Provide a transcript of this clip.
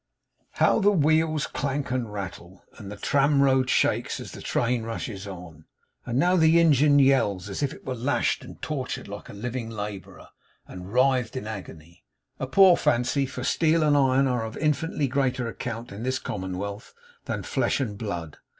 How the wheels clank and rattle, and the tram road shakes, as the train rushes on! And now the engine yells, as it were lashed and tortured like a living labourer, and writhed in agony. A poor fancy; for steel and iron are of infinitely greater account, in this commonwealth, than flesh and blood.